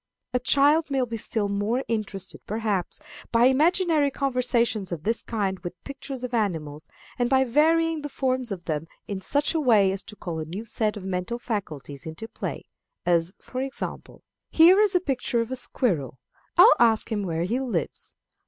A child may be still more interested, perhaps, by imaginary conversations of this kind with pictures of animals, and by varying the form of them in such a way as to call a new set of mental faculties into play; as, for example, "Here is a picture of a squirrel. I'll ask him where he lives.